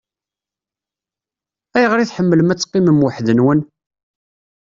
Ayɣer i tḥemmlem ad teqqimem weḥd-nwen?